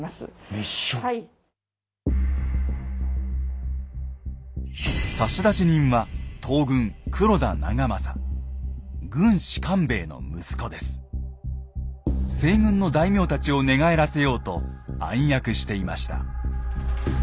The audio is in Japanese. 西軍の大名たちを寝返らせようと暗躍していました。